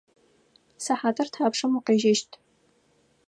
Сыхьатыр тхьапшым укъежьэщт?